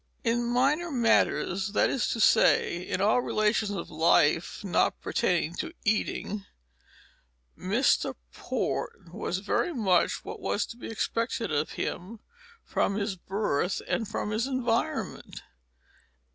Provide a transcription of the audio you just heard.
In minor matters that is to say, in all relations of life not pertaining to eating Mr. Port was very much what was to be expected of him from his birth and from his environment.